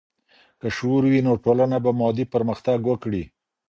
که شعور وي، نو ټولنه به مادي پرمختګ وکړي.